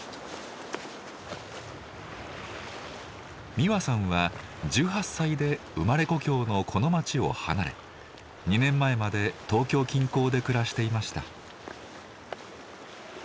実和さんは１８歳で生まれ故郷のこの町を離れ２年前まで東京近郊で暮らしていました。